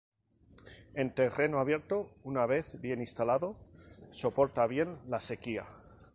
En terreno abierto, una vez bien instalado, soporta bien la sequía.